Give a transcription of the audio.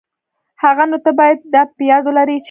ښه، نو ته بايد دا په یاد ولري چي...